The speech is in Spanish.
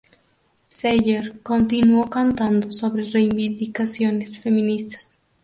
Seeger continuó cantando sobre reivindicaciones feministas.